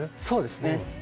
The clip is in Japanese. そうですね。